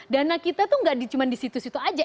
dana kita itu nggak cuma di situ situ aja